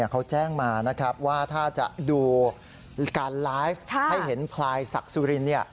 เขาแจ้งมานะครับว่าถ้าจะดูการไลฟ์ให้เห็นพลายศักดิ์สุรินทร์